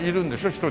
１人。